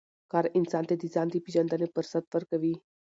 کار انسان ته د ځان د پېژندنې فرصت ورکوي